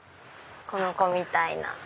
この子みたいな。